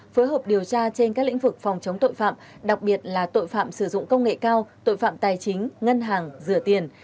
phối hợp điều tra trên các lĩnh vực phòng chống tội phạm đặc biệt là tội phạm sử dụng công nghệ cao tội phạm tài chính ngân hàng rửa tiền